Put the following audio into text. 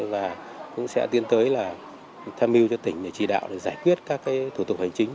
và cũng sẽ tiến tới là tham mưu cho tỉnh để chỉ đạo để giải quyết các thủ tục hành chính